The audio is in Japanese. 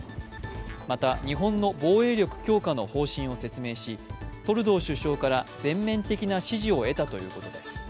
また日本の防衛力強化の方針を説明しトルドー首相から、全面的な支持を得たということです。